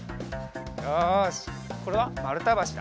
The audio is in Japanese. よしこれはまるたばしだ。